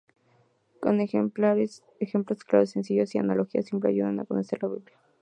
Con ejemplos claros, sencillos y analogías simples ayuda a conocer la Biblia.